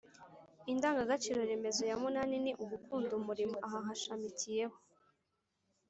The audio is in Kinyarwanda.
indangagaciro remezo ya munani ni «ugukunda umurimo». aha hashamikiyeho